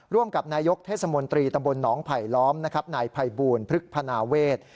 ร่วมกับนายกเทศมนตรีตระบวนหนองไผลล้อมนายภัยบูรณ์พฤษทนาเวท